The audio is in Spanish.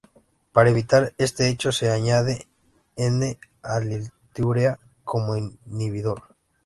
Para evitar este hecho se añade N-aliltiourea como inhibidor.